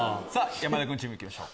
山田君チーム行きましょう。